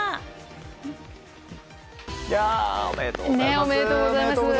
おめでとうございます！